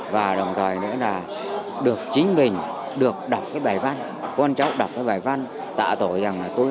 và đồng thời nữa là được chính mình được đọc cái bài văn con cháu đọc cái bài văn tạ tội rằng là tôi đã tám mươi